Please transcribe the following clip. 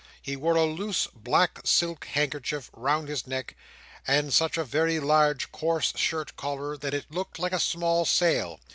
He wore a loose black silk handkerchief round his neck, and such a very large coarse shirt collar, that it looked like a small sail.